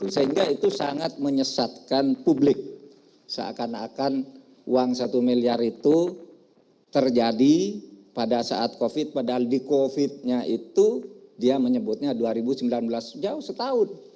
sehingga itu sangat menyesatkan publik seakan akan uang satu miliar itu terjadi pada saat covid padahal di covid nya itu dia menyebutnya dua ribu sembilan belas jauh setahun